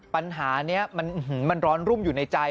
ปัญหานี้มันร้อนรุ่มอยู่ในใจ